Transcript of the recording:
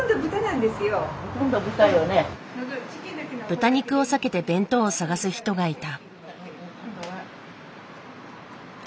豚肉を避けて弁当を探す人がいた。